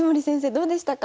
どうでしたか？